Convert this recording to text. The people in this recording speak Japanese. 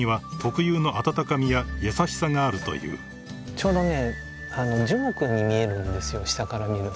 ちょうどね。